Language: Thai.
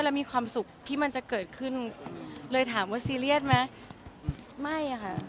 แล้วมีความสุขที่มันจะเกิดขึ้นเลยถามว่าซีเรียสไหมไม่ค่ะ